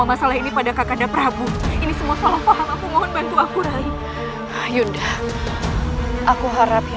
masuklah ke dalam